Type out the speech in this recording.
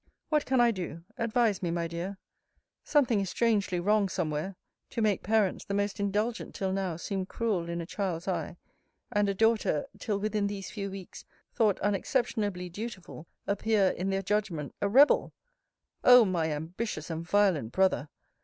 What can I do? Advise me, my dear. Something is strangely wrong somewhere! to make parents, the most indulgent till now, seem cruel in a child's eye; and a daughter, till within these few weeks, thought unexceptionably dutiful, appear, in their judgment, a rebel! Oh! my ambitious and violent brother!